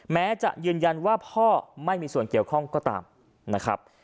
แม้จะยืนยันว่าพ่อไม่มีส่วนเกี่ยวข้องก็ตามนะครับ